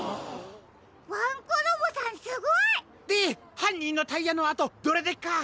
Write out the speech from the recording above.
ワンコロボさんすごい！ではんにんのタイヤのあとどれでっか？